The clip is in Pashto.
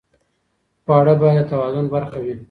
خواړه باید د توازن برخه وي.